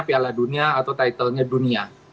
piala dunia atau title nya dunia